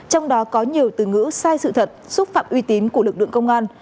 trong đó có nhiều từ ngữ sai sự thật xúc phạm uy tín của lực lượng công an